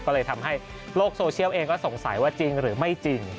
ก็เลยทำให้โลกโซเชียลเองก็สงสัยว่าจริงหรือไม่จริง